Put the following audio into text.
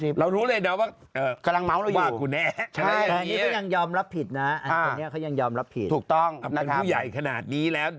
เป็นผู้ใหญ่ขนาดนี้แล้ว